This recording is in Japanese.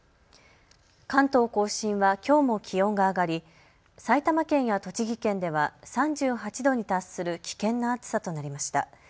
関東甲信はきょうも気温が上がり埼玉県や栃木県では３８度に達する危険な暑さとなりました。